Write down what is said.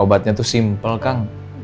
obatnya itu simpel kang